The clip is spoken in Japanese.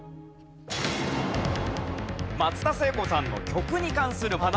松田聖子さんの曲に関する花。